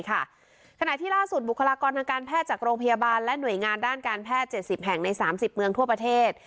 ขณะที่ล่าสุดบุคลากรทางการแพทย์จากโรงพยาบาลและหน่วยงานด้านการแพทย์๗๐แห่งใน๓๐เมืองทั่วประเทศ